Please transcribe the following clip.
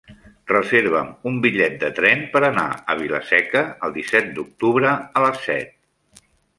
Reserva'm un bitllet de tren per anar a Vila-seca el disset d'octubre a les set.